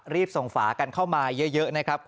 รีบส่งฝากันเข้ามาเยอะนะครับ